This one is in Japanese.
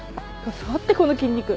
触ってこの筋肉。